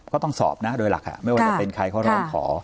ก็ต้องสอบนะโดยหลักไม่ว่าจะเป็นใครเขาร้องขอ